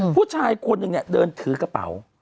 ผู้ชายคนหนึ่งเนี่ยเดินถือกระเป๋า